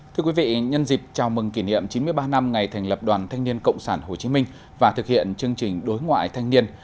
thưa quý vị nhân dịp chào mừng kỷ niệm chín mươi ba năm ngày thành lập đoàn thanh niên cộng sản hồ chí minh và thực hiện chương trình đối ngoại thanh niên